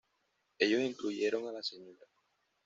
Ellos incluyeron a la Sra.